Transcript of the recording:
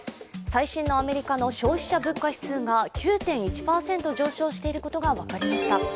最新のアメリカの消費者物価指数が９．１％上昇していることが分かりました。